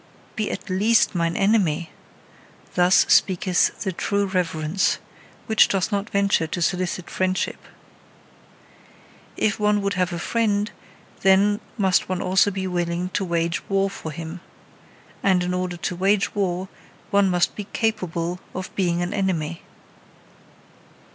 "Be at least mine enemy!" thus speaketh the true reverence, which doth not venture to solicit friendship. If one would have a friend, then must one also be willing to wage war for him: and in order to wage war, one must be CAPABLE of being an enemy.